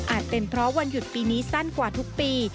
เป็นเพราะวันหยุดปีนี้สั้นกว่าทุกปี